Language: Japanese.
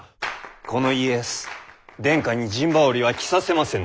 この家康殿下に陣羽織は着させませぬ。